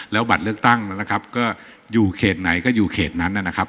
แล้วบัตรเลือกตั้งนะครับก็อยู่เขตไหนก็อยู่เขตนั้นนะครับ